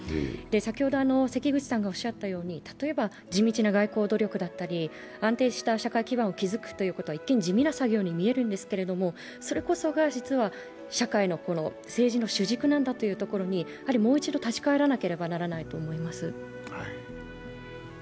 先ほど関口さんがおっしゃったように、例えば地道な外交努力だったり、安定した社会基盤を築くということは一見、地味な作業に見えるんだけれどもそれこそが実は社会の政治の主軸なんだというところにもう一度、立ち返らなければならないと思います。